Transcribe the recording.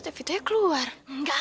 masih ya masih ya masih ya